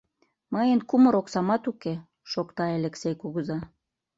— Мыйын кумыр оксамат уке, — шокта Элексей кугыза.